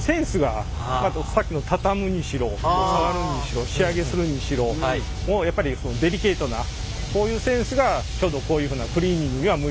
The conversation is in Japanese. さっきの畳むにしろ触るにしろ仕上げするにしろやっぱりデリケートなこういうセンスがちょうどこういうふうなクリーニングには向いてると。